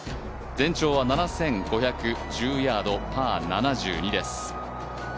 全長は７５１０ヤード、パー７２です。